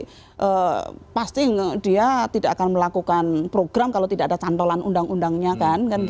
jadi yang paling penting dia tidak akan melakukan program kalau tidak ada cantolan undang undangnya kan